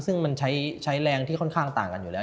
ซึ่งมันใช้แรงที่ค่อนข้างต่างกันอยู่แล้ว